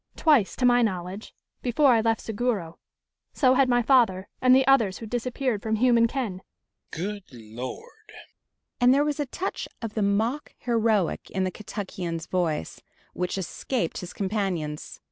"Twice, to my knowledge, before I left Seguro. So had my father and the others who disappeared from human ken!" "Good Lord!" and there was a touch of the mock heroic in the Kentuckian's voice, which escaped his companions.